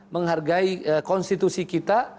menghargai konstitusi kita